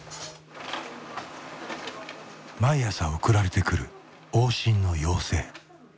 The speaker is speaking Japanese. ☎毎朝送られてくる往診の要請。